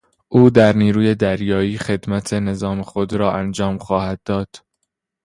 او در نیروی دریایی خدمت نظام خود را انجام خواهد داد.